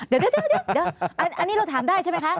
เดี๋ยวอันนี้เราถามได้ใช่ไหมคะ